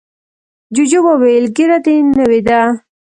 جوجو وویل ږیره دې نوې ده.